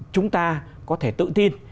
chúng ta có thể tự tin